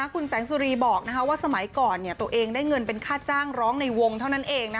คุณแสงสุรีบอกว่าสมัยก่อนตัวเองได้เงินเป็นค่าจ้างร้องในวงเท่านั้นเอง